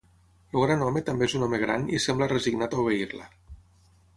El gran home també és un home gran i sembla resignat a obeir-la.